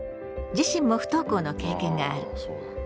自身も不登校の経験がある。